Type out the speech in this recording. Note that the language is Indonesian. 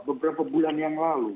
beberapa bulan yang lalu